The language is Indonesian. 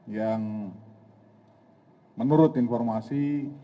yang menurut informasi